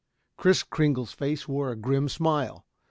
Kris Kringle's face wore a grim smile.